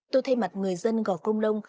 tôi thay mặt người dân gò công đông